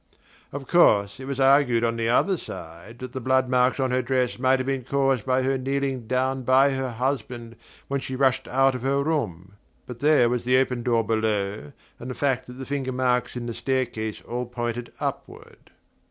Of course it was argued on the other side that the blood marks on her dress might have been caused by her kneeling down by her husband when she rushed out of her room; but there was the open door below, and the fact that the fingermarks in the staircase all pointed upward.